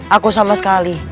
aku sama sekali